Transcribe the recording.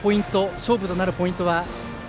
勝負となるポイントは？